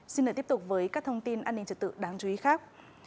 xin được tiếp tục với các thông tin an ninh trật tự đáng chú ý khác